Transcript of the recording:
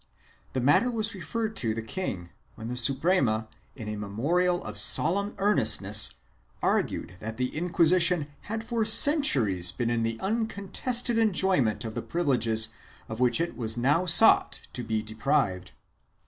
The matter was referred to the king, when the Suprema, in a memorial of solemn earnestness, argued that the Inquisition had for centuries been in the uncontested enjoy ment of the privilege of which it was now sought to be deprived.